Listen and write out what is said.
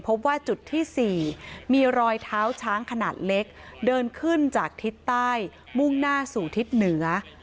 พบว่าจุดที่๔มีรอยเท้าช้างขนาดเล็กเดินขึ้นจากทิศใต้มุ่งหน้าสู่ทิศเหนือ